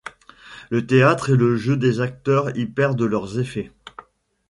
Le théâtre et le jeu des acteurs y perdent leurs effets.